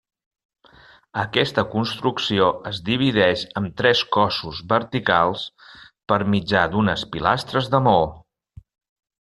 Aquesta construcció es divideix amb tres cossos verticals, per mitjà d'unes pilastres de maó.